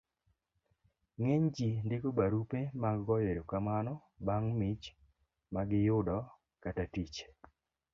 ng'eny ji ndiko barupe mag goyo erokamano bang' mich ma giyudo kata tich